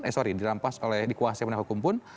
eh sorry dirampas oleh dikuasai penegak hukum pun